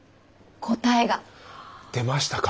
出ましたか。